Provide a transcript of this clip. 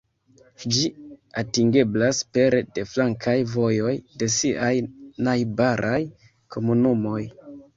Ĝi atingeblas pere de flankaj vojoj de siaj najbaraj komunumoj.